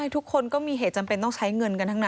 ทุกคนก็มีเหตุจำเป็นต้องใช้เงินกันทั้งนั้น